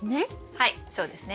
はいそうですね。